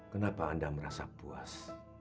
kenapa anda merasa puas